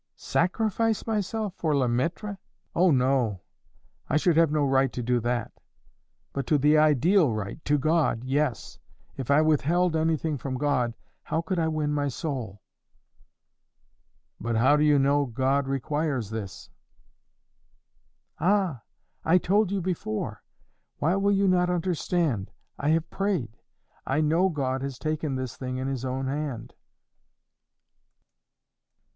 "Sacrifice myself for Le Maître! Oh no! I should have no right to do that; but to the ideal right, to God yes. If I withheld anything from God, how could I win my soul?" "But how do you know God requires this?" "Ah! I told you before. Why will you not understand? I have prayed. I know God has taken this thing in his own hand."